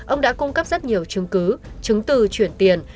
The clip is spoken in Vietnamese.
ông đã cung cấp rất nhiều chứng cứ chứng từ chuyển tiền